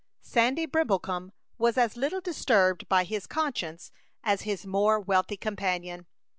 Sandy Brimblecom was as little disturbed by his conscience as his more wealthy companion.